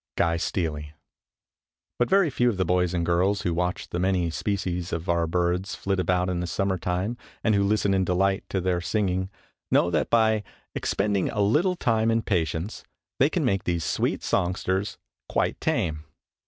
GUY STEALEY. But very few of the boys and girls who watch the many species of our birds flit about in the summer time and who listen in delight to their singing, know that by expending a little time and patience they can make these sweet songsters quite tame.